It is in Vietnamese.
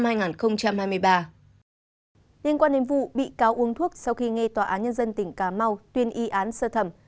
liên quan đến vụ bị cáo uống thuốc sau khi nghe tòa án nhân dân tỉnh cà mau tuyên y án sơ thẩm